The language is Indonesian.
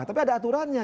tapi ada aturannya